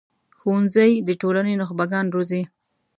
ښوونځی د ټولنې نخبه ګان روزي